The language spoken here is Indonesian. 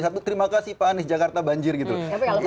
satu terima kasih pak anies jakarta banjir gitu loh